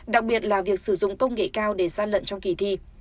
đặc biệt là việc sử dụng công nghệ cao để gian lận trong kỳ thi